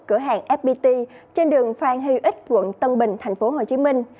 cửa hàng fpt trên đường phan huy ích quận tân bình tp hcm